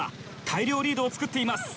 大量リードを作っています。